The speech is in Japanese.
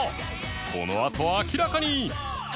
このあと明らかに！